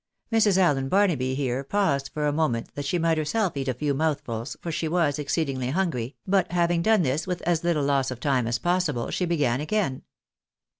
Mrs. Allen Barnaby here paused for a moment that she might herself eat a few mouthfuls, for she was exceedingly hungry, but having done this with as little loss of time as possible, she began again.